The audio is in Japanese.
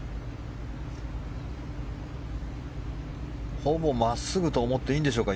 ほぼ真っすぐと思ってもいいんでしょうか。